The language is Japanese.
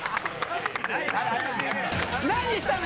何したの？